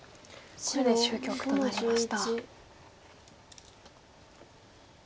これで終局となりました。